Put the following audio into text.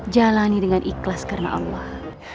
jalani dengan ikhlas karena allah